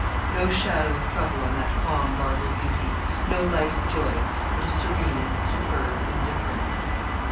No shadow of trouble on that calm marble beauty, no light of joy, but a serene superb indifference.